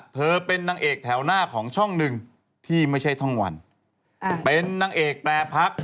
เธอเป็นนางเอกแถวหน้าของช่องหนึ่งที่ไม่ใช่ช่องวันเป็นนางเอกแปรพัก